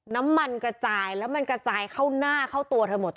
น้ำมันกระจายแล้วมันกระจายเข้าหน้าเข้าตัวเธอหมด